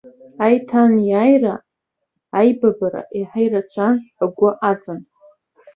Аиҭанеиааира, аибабара еиҳа ирацәан, агәы аҵан.